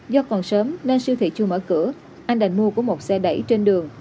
do còn sớm nên siêu thị chưa mở cửa anh đà mua của một xe đẩy trên đường